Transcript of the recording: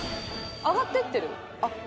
上がっていってる？」